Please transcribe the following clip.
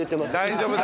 大丈夫！